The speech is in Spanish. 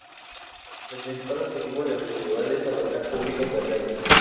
El principal objetivo del festival es abarcar públicos variados.